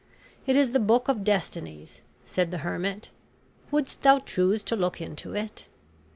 "It is the Book of Destinies," said the hermit; "wouldst thou choose to look into it?"